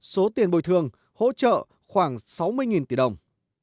số tiền bồi thường hỗ trợ khoảng sáu mươi tỷ đồng